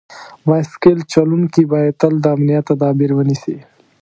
بایسکل چلونکي باید تل د امنیت تدابیر ونیسي.